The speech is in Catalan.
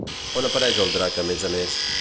On apareix el drac a més a més?